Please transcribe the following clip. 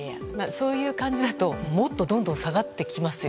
そういう感じだともっとどんどん下がってきますよ。